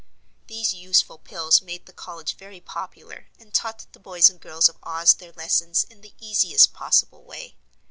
These useful pills made the college very popular and taught the boys and girls of Oz their lessons in the easiest possible way.